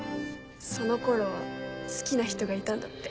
その頃は好きな人がいたんだって。